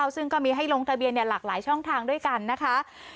ซึ่งก็มีให้ลงทะเบียนหลากหลายช่องทางด้วยกันนะคะ